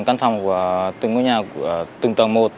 căn phòng của từng ngôi nhà từng tầng một